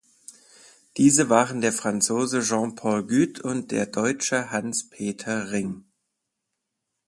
Diese waren der Franzose Jean-Paul Gut und der Deutsche Hans-Peter Ring.